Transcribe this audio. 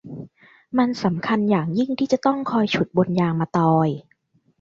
มันสำคัญอย่างยิ่งที่จะต้องคอยฉุดบนยางมะตอย